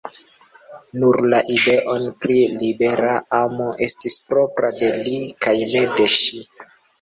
Nur la ideon pri libera amo estis propra de li kaj ne de ŝi.